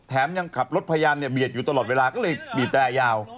ยังขับรถพยายามเบียดอยู่ตลอดเวลาก็เลยบีบแตรยาว